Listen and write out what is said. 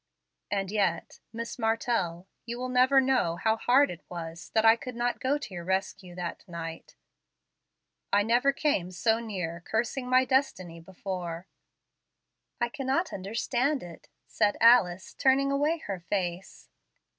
And yet, Miss Martell, you will never know how hard it was that I could not go to your rescue that night. I never came so near cursing my destiny before." "I cannot understand it," said Alice, turning away her face.